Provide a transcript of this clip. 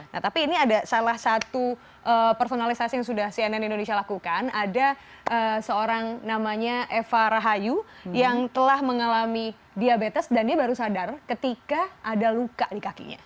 nah tapi ini ada salah satu personalisasi yang sudah cnn indonesia lakukan ada seorang namanya eva rahayu yang telah mengalami diabetes dan dia baru sadar ketika ada luka di kakinya